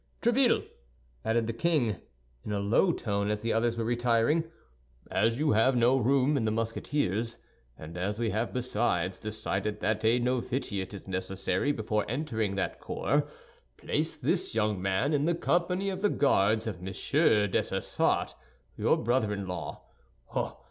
Tréville," added the king, in a low voice, as the others were retiring, "as you have no room in the Musketeers, and as we have besides decided that a novitiate is necessary before entering that corps, place this young man in the company of the Guards of Monsieur Dessessart, your brother in law.